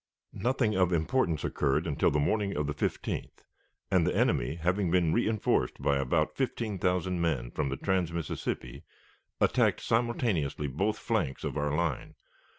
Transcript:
Nothing of importance occurred until the morning of the 15th, and the enemy, having been reënforced by about fifteen thousand men from the trans Mississippi, attacked simultaneously both flanks of our line.